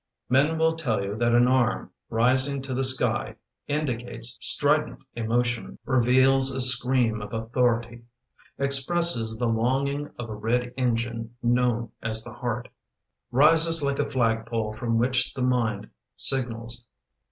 Men will tell you that an arm Rising to the sky Indicates strident emotion; Reveals a scream of authority; Expresses the longing of a red engine Known as the heart; Rises like a flag pole From which the mind signals.